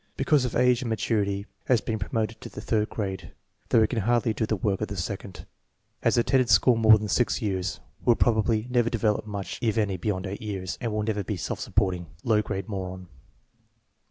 Because of age and maturity has Fro. 4. DIAMOND DRAWN BY ft. W., AGK 13 10; MENTAI, AGE 7 0 been promoted to the third grade, though ho can hardly do the work of the second. Has attended school more than six years. Will probably never develop much if any beyond 8 years, and will never be self supporting. Low grade moron.